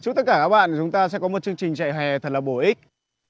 chúc tất cả các bạn chúng ta sẽ có một chương trình chạy hè thật là bổ ích